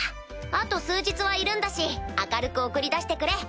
あと数日はいるんだし明るく送り出してくれ。